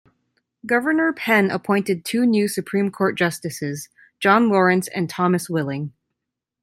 Governor Penn appointed two new Supreme Court justices, John Lawrence and Thomas Willing.